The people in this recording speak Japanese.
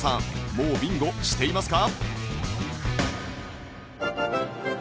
もうビンゴしていますか？